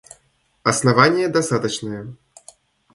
— Основание достаточное.